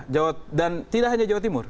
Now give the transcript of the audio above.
jawa dan tidak hanya jawa timur